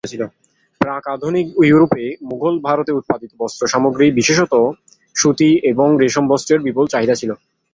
প্রাক আধুনিক ইউরোপে মুঘল ভারতে উৎপাদিত বস্ত্র সামগ্রীর বিশেষত সুতি এবং রেশম বস্ত্রের বিপুল চাহিদা ছিল।